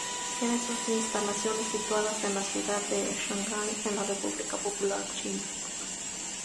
Tiene sus instalaciones situadas en la ciudad de Shanghai, en la República Popular China.